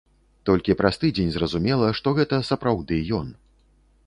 Толькі праз тыдзень зразумела, што гэта сапраўды ён.